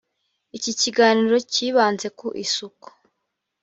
iki kiganiro kibanze ku isuku